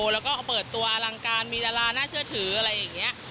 แล้วก็เปิดตัวอลังการมีดาราน่าเชื่อถืออะไรอย่างนี้